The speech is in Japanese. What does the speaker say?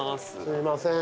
すいません